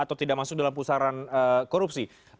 atau tidak masuk dalam pusaran korupsi